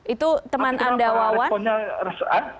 itu teman anda wawan